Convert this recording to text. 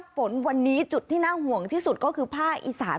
ฝนวันนี้จุดที่น่าห่วงที่สุดก็คือภาคอีสาน